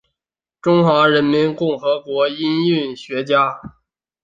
中华人民共和国音韵学家。